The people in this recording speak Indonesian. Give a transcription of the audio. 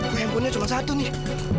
gue handphonenya cuma satu nih